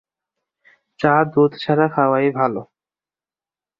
চা দুধ ছাড়া খাওয়াই ভালো।